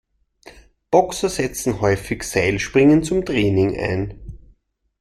Boxer setzen häufig Seilspringen zum Training ein.